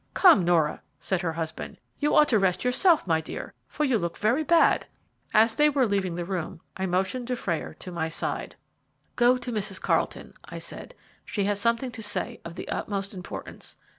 "Come, Nora," said her husband; "you ought to rest yourself, my dear, for you look very bad." As they were leaving the room I motioned Dufrayer to my side. "Go to Mrs. Carlton," I said; "she has something to say of the utmost importance.